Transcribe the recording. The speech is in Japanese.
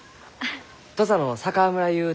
土佐の佐川村ゆう